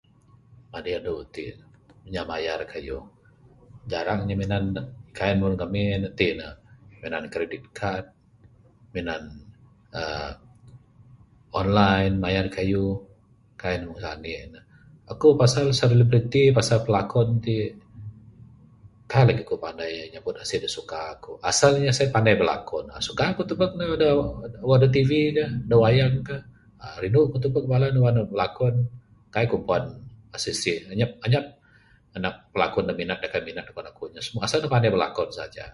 Madi andu ti', inya mayar kayuh jarang nya minan, kai' mung ngamin ne. Ti ne minan kredit kad, minan uhh online mayar kayuh. Kai' ne mung sani' ne. Aku' pasal celebriti, pasal pelakon ti', kai lagi' aku' pandai nyabut asih da suka ku'. Asal nya sien pandai belakon, uhh suka ku' tebuk ne da tv kah da wang kah. Rindu ku' tebuk bala ne belakon. Kai' ku' puan asih sih. Anyap anyap pelakon da minat kai' minat da puan aku'. Asal ne pandai belakon saja.